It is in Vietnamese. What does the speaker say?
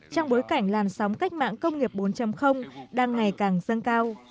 trong bối cảnh làn sóng cách mạng công nghiệp bốn đang ngày càng dâng cao